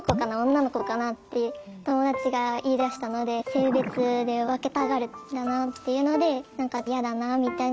女の子かな？」って友達が言いだしたので性別で分けたがるんだなっていうので何かやだなみたいなところはあります。